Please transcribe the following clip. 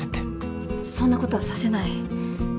そんな事はさせない。